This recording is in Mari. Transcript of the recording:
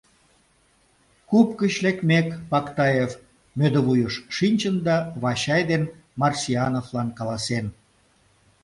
Куп гыч лекмек, Пактаев мӧдывуйыш шинчын да Вачай ден Марсиановлан каласен: